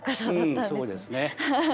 うんそうですね。